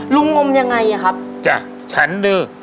ลุงงมยังไงอะครับจ่ะฉันด้วย